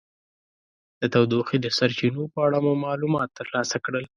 د تودوخې د سرچینو په اړه مو معلومات ترلاسه کړل.